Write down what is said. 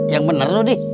yang bener tuh di